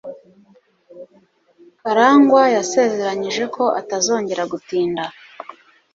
Karangwa yasezeranyije ko atazongera gutinda.